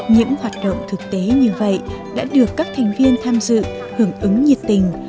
những hoạt động thực tế như vậy đã được các thành viên tham dự hưởng ứng nhiệt tình